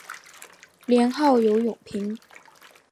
年号有永平。